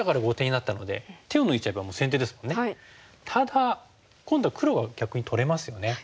ただ今度は黒が逆に取れますよね。